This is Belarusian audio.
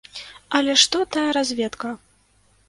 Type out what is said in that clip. Але што тая разведка!